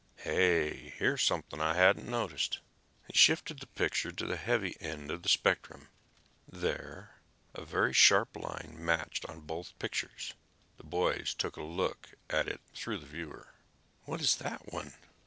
"Hey, here's something I hadn't noticed." He shifted the picture to the heavy end of the spectrum. There, a very sharp line matched on both pictures. The boys took a look at it through the viewer. "What is that one?"